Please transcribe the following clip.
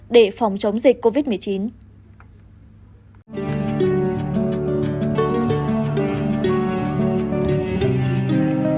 để phòng chống dịch covid một mươi chín